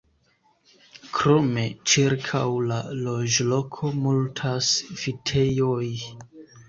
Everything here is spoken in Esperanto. Krome, ĉirkaŭ la loĝloko multas vitejoj.